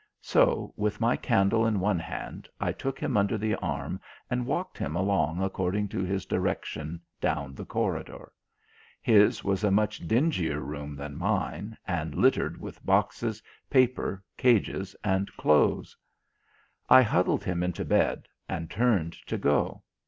So, with my candle in one hand, I took him under the arm and walked him along according to his direction down the corridor. His was a much dingier room than mine, and littered with boxes, paper, cages, and clothes. I huddled him into bed and turned to go.